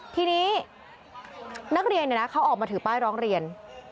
ทีนี้นักเรียนเขาออกมาถือป้ายร้องเรียน